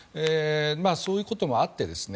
そういうこともあって